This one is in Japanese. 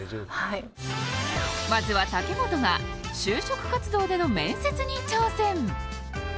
まずは武元が就職活動での面接に挑戦。